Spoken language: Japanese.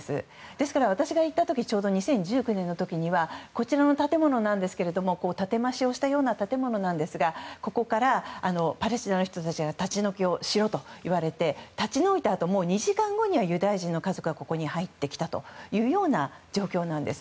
ですから私が行ったちょうど２０１９年の時はこちらの建物ですが建て増しをしたような建物ですがここから、パレスチナの人たちが立ち退きしろと言われて立ち退いたあと２時間後にはユダヤ人の家族がここに入ってきたというような状況なんです。